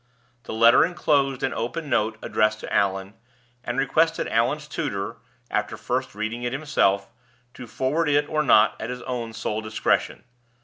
The letter inclosed an open note addressed to Allan, and requested Allan's tutor (after first reading it himself) to forward it or not at his own sole discretion.